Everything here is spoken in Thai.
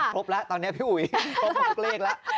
ครบแล้วตอนนี้พี่อุ๋ยครบ๖เลขแล้ว